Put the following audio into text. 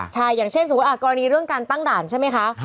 ใช่อย่างเช่นสมมุติกรณีเรื่องการตั้งด่านใช่ไหมคะ